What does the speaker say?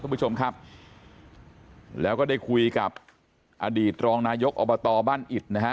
คุณผู้ชมครับแล้วก็ได้คุยกับอดีตรองนายกอบตบ้านอิดนะฮะ